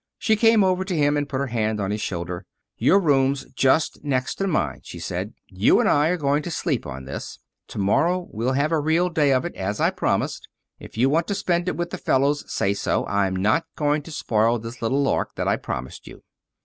She came over to him and put her hand on his shoulder. "Your room's just next to mine," she said. "You and I are going to sleep on this. To morrow we'll have a real day of it, as I promised. If you want to spend it with the fellows, say so. I'm not going to spoil this little lark that I promised you."